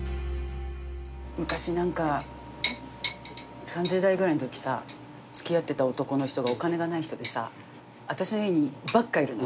昔何か３０代ぐらいのときさ付き合ってた男の人がお金がない人でさ私の家にばっかいるの。